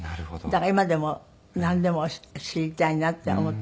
だから今でもなんでも知りたいなって思って。